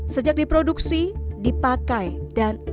sejak diproduksi dipakai dan